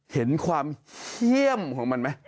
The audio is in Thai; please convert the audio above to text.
เห็นความเยี่ยมของมันไหม